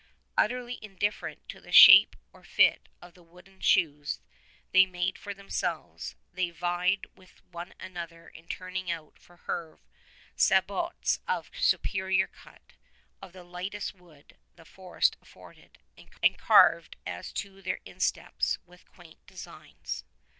Utterly indifferent to the shape or fit of the wooden shoes they made for themselves, they vied with one another in turning out for Herve sabots of superior cut, of the lightest wood the forest afforded, and carved as to their insteps with quaint designs.